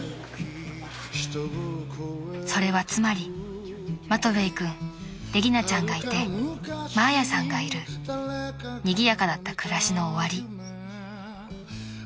［それはつまりマトヴェイ君レギナちゃんがいてマーヤさんがいるにぎやかだった暮らしの終わり］